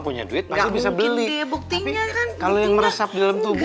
punya duit pasti bisa beli